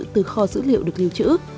từ kho dữ liệu được lưu trữ